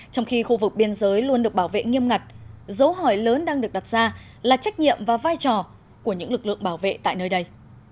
trong khi khu vực biên giới luôn được bảo vệ nghiêm ngặt dấu hỏi lớn đang được đặt ra là trách nhiệm và vai trò của những lực lượng bảo vệ tại nơi đây